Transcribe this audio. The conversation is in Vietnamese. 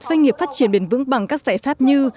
doanh nghiệp phát triển bền vững bằng các giải pháp như